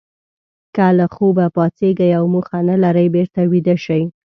که له خوبه پاڅېږئ او موخه نه لرئ بېرته ویده شئ.